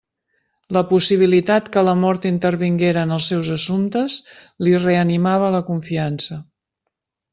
La possibilitat que la mort intervinguera en els seus assumptes li reanimava la confiança.